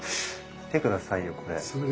見て下さいよこれ。